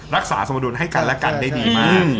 สมดุลให้กันและกันได้ดีมาก